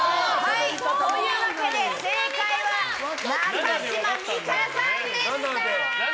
というわけで正解は中島美嘉さんでした！